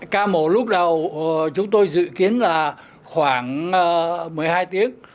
ca mổ lúc đầu chúng tôi dự kiến là khoảng một mươi hai tiếng